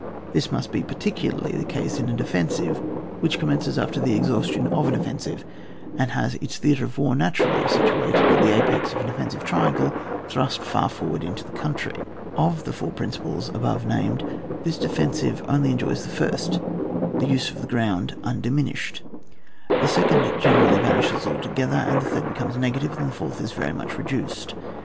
This must be particularly the case in a defensive, which commences after the exhaustion of em offensive, and has its theatre of war usually situated at the apex of an offensive triangle thrust far forward into the country. Of the four principles above named, this defen sive only enjoys the first — the use of the ground — undiminished, the second gene rally vanishes altogether, the third be comes negative, and the fourth is very much reduced.